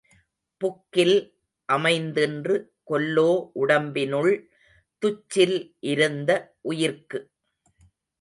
புக்கில் அமைந்தின்று கொல்லோ உடம்பினுள் துச்சில் இருந்த உயிர்க்கு.